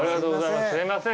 すいません